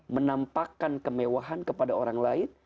menampakkan kemewahan kepada orang lain